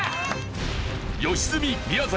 良純宮崎